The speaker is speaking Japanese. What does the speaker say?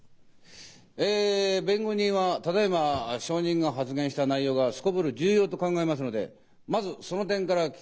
え弁護人はただいま証人が発言した内容がすこぶる重要と考えますのでまずその点から聞きたいと思います。